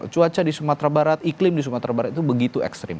cuaca di sumatera barat iklim di sumatera barat itu begitu ekstrim